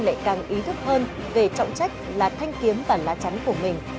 lại càng ý thức hơn về trọng trách là thanh kiếm và lá chắn của mình